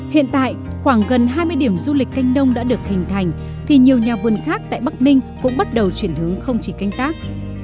hiện tại khoảng gần hai mươi điểm du lịch canh nông đã được hình thành thì nhiều nhà vườn khác tại bắc ninh cũng bắt đầu chuyển hướng không chỉ canh tác